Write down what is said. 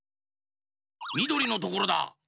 みどりのところだ。